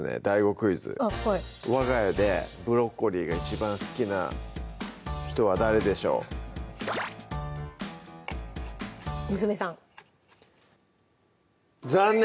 クイズわが家でブロッコリーが一番好きな人は誰でしょう娘さん残念！